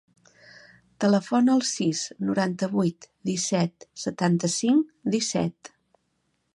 Telefona al sis, noranta-vuit, disset, setanta-cinc, disset.